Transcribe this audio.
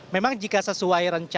memang jika sesuai rencana